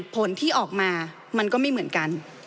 ผลที่ออกมามันก็ไม่เหมือนกัน